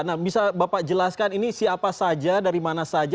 nah bisa bapak jelaskan ini siapa saja dari mana saja